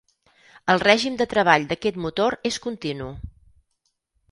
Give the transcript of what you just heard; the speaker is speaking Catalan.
El règim de treball d'aquest motor és continu.